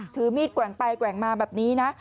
ถือมีดแกว่งไปแกว่งมาแบบนี้นะ